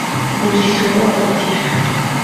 Nous y serons attentifs.